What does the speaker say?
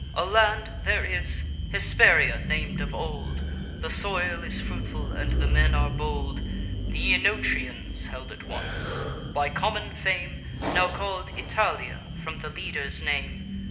A land there is, Hesperia nam'd of old; The soil is fruitful, and the men are bold Th' Oenotrians held it once, by common fame Now call'd Italia, from the leader's name.